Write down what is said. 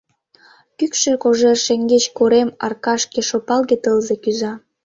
Кӱкшӧ кожер шеҥгеч корем аркашке шапалге тылзе кӱза.